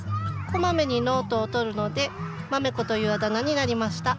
こまめにノートをとるので「まめ子」というあだ名になりました。